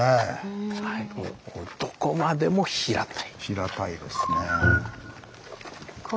平たいですね。